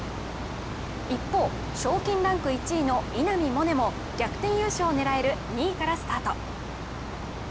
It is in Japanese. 一方、賞金ランク１位の稲見萌寧も逆転優勝を狙える２位からスタート。